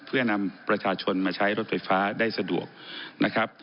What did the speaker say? เพื่อนำประชาชนมาใช้รถไฟฟ้าได้สะดวกนะครับ